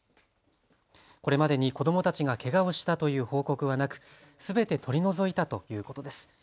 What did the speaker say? これまでに子どもたちがけがをしたという報告はなくすべて取り除いたということです。